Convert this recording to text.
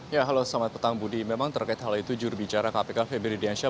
ya halo selamat petang budi memang terkait hal itu jurubicara kpk febri diansyah